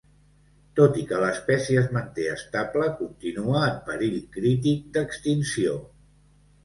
Tot i que l'espècie es manté estable, continua en perill crític d'extinció.